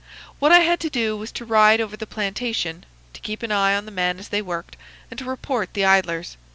What I had to do was to ride over the plantation, to keep an eye on the men as they worked, and to report the idlers.